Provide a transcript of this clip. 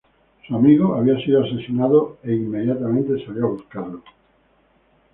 Su amigo había sido asesinado, e inmediatamente salió a buscarlo.